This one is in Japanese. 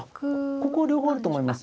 ここ両方あると思います。